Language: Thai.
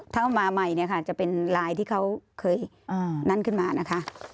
ถ้าเอามาใหม่เนี่ยค่ะจะเป็นลายที่เขาเคยนั่นขึ้นมานะคะ